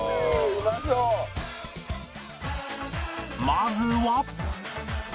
まずは